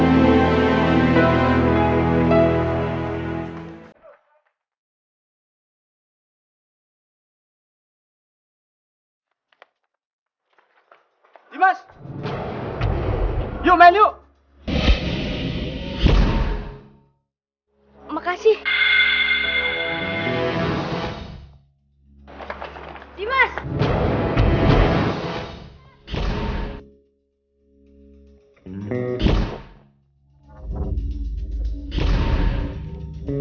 sekalipun aku sudah tidak bersama kamu